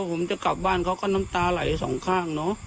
ผมจะกลับบ้านเขาก็น้ำตาไหลสองข้างเนอะ